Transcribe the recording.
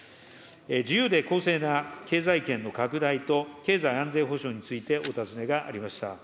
自由で公正な経済圏の拡大と、経済安全保障についてお尋ねがありました。